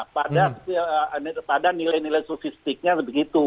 pada nilai nilai sosistiknya begitu